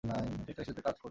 Textile শিল্পে কাজ করতেন।